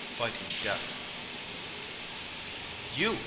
FIGHTING DEATH "You!"